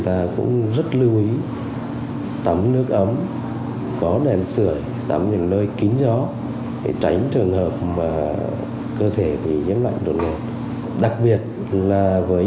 ta cũng rất lưu ý tắm nước ấm có nền sửa tắm những nơi kín gió để tránh trường hợp cơ thể bị